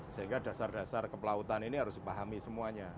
sehingga dasar dasar kepelautan ini harus dipahami semuanya